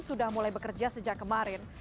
sudah mulai bekerja sejak kemarin